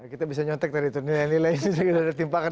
kita bisa nyontek tadi nilai nilai ini sudah ditimpakan